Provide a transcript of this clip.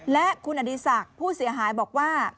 และคุณอดีศักดิ์ผู้เสียหายบอกว่า